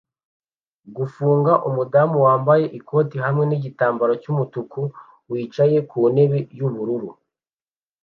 gufunga umudamu wambaye ikote hamwe nigitambara cyumutuku wicaye ku ntebe yubururu